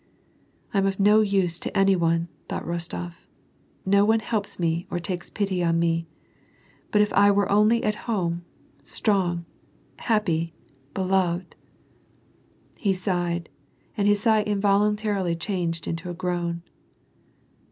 "Tmof no use to any one!" thought Rostof. "No one helps me or takes pity on me ! But if I were only at home, strong, happy, beloved !" He sighed, and his sigh involuntarily changed into a groan.